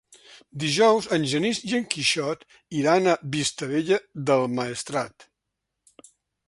Dijous en Genís i en Quixot iran a Vistabella del Maestrat.